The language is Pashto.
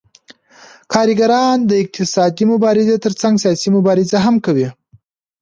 کارګران د اقتصادي مبارزې ترڅنګ سیاسي مبارزه هم کوي